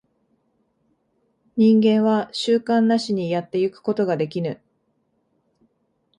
人間は習慣なしにやってゆくことができぬ。